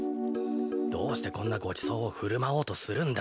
どうしてこんなごちそうをふるまおうとするんだ。